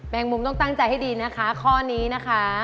งมุมต้องตั้งใจให้ดีนะคะข้อนี้นะคะ